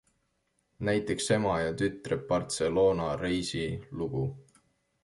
Näiteks ema ja tütre Barcelona-reisi lugu.